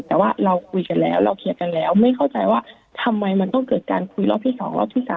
แต่ว่าเราคุยกันแล้วเราเคลียร์กันแล้วไม่เข้าใจว่าทำไมมันต้องเกิดการคุยรอบที่๒รอบที่๓